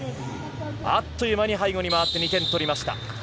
あっという間に背後に回って２点取りました。